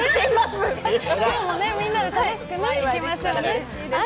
今日もみんなで楽しくいきましょうね。